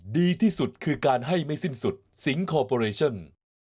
ดีที่สุดคือการให้ไม่สิ้นสุดสิงคอร์ปอเรชั่น